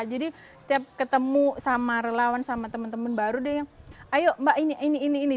jadi setiap ketemu sama relawan sama teman teman baru dia yang ayo mbak ini ini ini ini